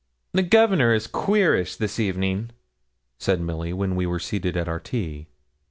'The Governor is queerish this evening,' said Milly, when we were seated at our tea.